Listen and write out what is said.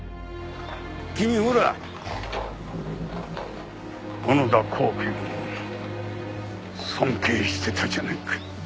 君ほら小野田公顕を尊敬してたじゃないか。